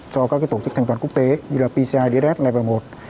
cho các cái tổ chức thanh toán quốc tế như là pci dss level một